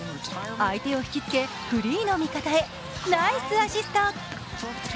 相手を引きつけフリーの味方へ、ナイスアシスト。